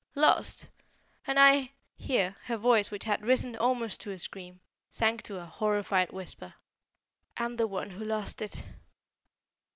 lost! and I " here her voice which had risen almost to a scream, sank to a horrified whisper, "am the one who lost it."